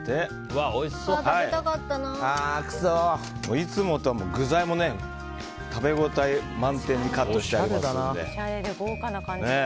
いつもとは具材も食べ応え満点にカットしちゃいますので。